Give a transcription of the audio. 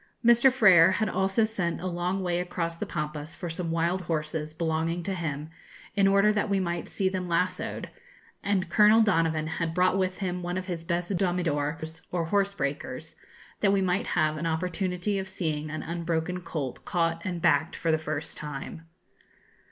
Mr. Frer had also sent a long way across the Pampas for some wild horses, belonging to him, in order that we might see them lassoed; and Colonel Donovan had brought with him one of his best domidors, or horse breakers, that we might have an opportunity of seeing an unbroken colt caught and backed for the first time.